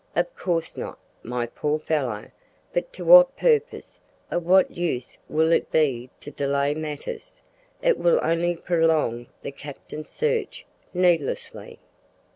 "Of course not, my poor fellow! but to what purpose of what use will it be to delay matters? It will only prolong the captain's search needlessly."